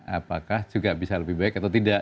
apakah juga bisa lebih baik atau tidak